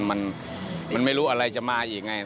มันไม่รู้อะไรจะมาอีกไง